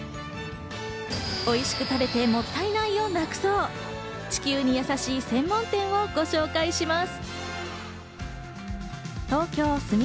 おいしく食べてもったいないをなくそう、地球にやさしい専門店をご紹介します。